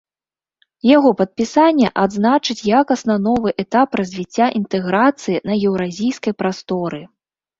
Яго падпісанне адзначыць якасна новы этап развіцця інтэграцыі на еўразійскай прасторы.